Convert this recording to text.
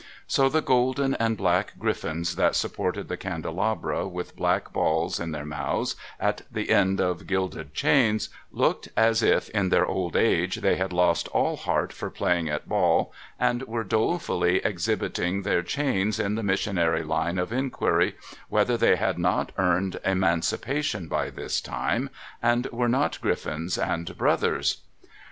So, the golden and black griffins that supported the candelabra, with black balls in their mouths at the end of gilded chains, looked as if in their old age they had lost all heart for playing at ball, and were dolefully exhibiting their chains in the Missionary line of inquiry, whether they had not earned emancipation by this time, and were not griffins and brothers.